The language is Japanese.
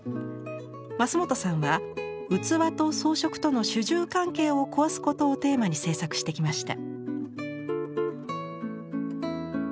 桝本さんは「器と装飾との主従関係を壊すこと」をテーマに制作してきました。